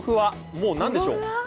もうなんでしょう。